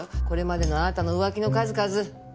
これまでのあなたの浮気の数々。